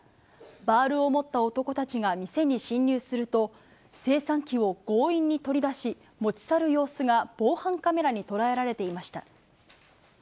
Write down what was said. バールを持った男たちが店に侵入すると、精算機を強引に取り出し、持ち去る様子が防犯カメラに捉えられていました。